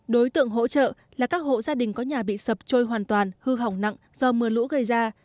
đối tượng hỗ trợ là các hộ gia đình có nhà bị sập trôi hoàn toàn hư hỏng nặng do mưa lũ gây ra